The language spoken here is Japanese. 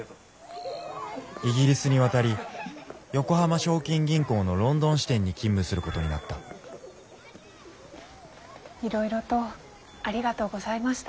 イギリスに渡り横浜正金銀行のロンドン支店に勤務することになったいろいろとありがとうございました。